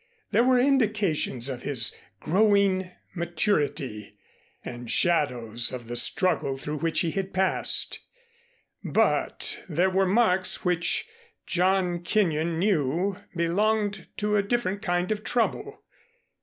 There were indications of his growing maturity and shadows of the struggle through which he had passed, but there were marks which John Kenyon knew belonged to a different kind of trouble.